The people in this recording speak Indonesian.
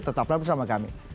tetap lagi bersama kami